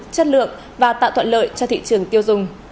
chất lượng và tạo thuận lợi cho thị trường tiêu dùng